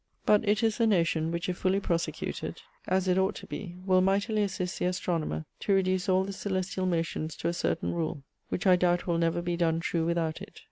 _ 'But it is a notion which if fully prosecuted, as it ought to be, will mightily assist the astronomer to reduce all the coelestiall motions to a certaine rule, which I doubt will never be done true without it.